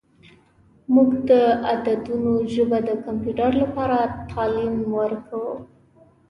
موږ د عددونو ژبه د کمپیوټر لپاره تعلیم ورکوو.